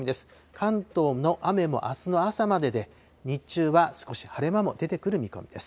関東の雨もあすの朝までで、日中は少し晴れ間も出てくる見込みです。